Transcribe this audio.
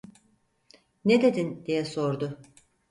"Ne dedin?" diye sordu.